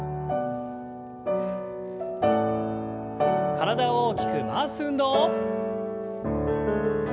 体を大きく回す運動。